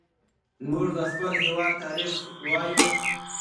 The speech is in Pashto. موږ د خپل هېواد تاریخ لولو.